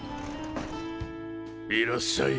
いらっしゃい。